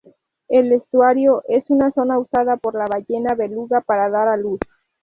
El estuario es una zona usada por la ballena Beluga para dar a luz.